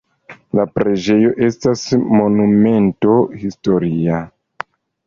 La preĝejo estas Monumento historia.